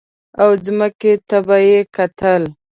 او ځمکې ته به یې کتل.